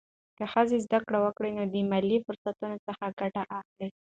که ښځه زده کړه وکړي، نو د مالي فرصتونو څخه ګټه اخلي.